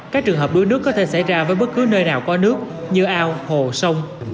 các trường hợp đuối nước có thể xảy ra với bất cứ nơi nào có nước như ao hồ sông